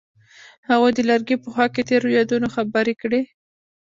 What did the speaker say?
هغوی د لرګی په خوا کې تیرو یادونو خبرې کړې.